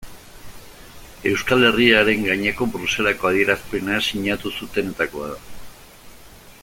Euskal Herriaren gaineko Bruselako Adierazpena sinatu zutenetakoa da.